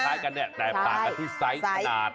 แต่ต่างกับที่ไซส์หนาด